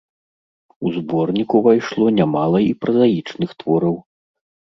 У зборнік увайшло нямала і празаічных твораў.